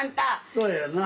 そうやな。